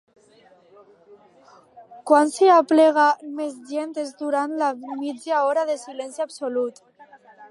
Quan s’hi aplega més gent és durant la mitja hora de silenci absolut.